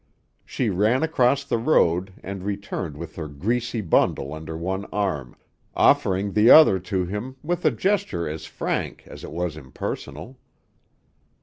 She ran across the road and returned with her greasy bundle under one arm, offering the other to him with a gesture as frank as it was impersonal.